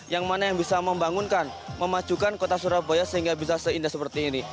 yang mana yang bisa membangunkan memajukan kota surabaya sehingga bisa seindah seperti ini